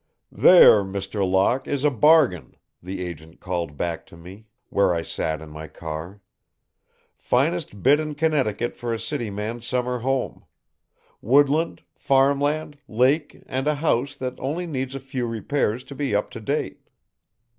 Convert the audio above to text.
"There, Mr. Locke, is a bargain," the agent called back to me, where I sat in my car. "Finest bit in Connecticut for a city man's summer home! Woodland, farm land, lake and a house that only needs a few repairs to be up to date.